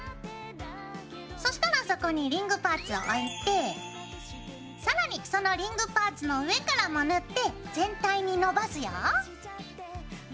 そしたらそこにリングパーツを置いて更にそのリングパーツの上からも塗って全体にのばすよ。